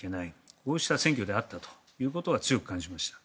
こうした選挙であったことは強く感じました。